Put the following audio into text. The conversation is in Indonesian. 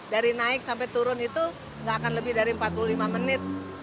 dari naik sampai turun itu nggak akan lebih dari empat puluh lima menit